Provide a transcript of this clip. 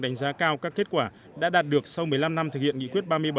đánh giá cao các kết quả đã đạt được sau một mươi năm năm thực hiện nghị quyết ba mươi bảy